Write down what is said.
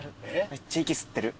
めっちゃ息吸ってる。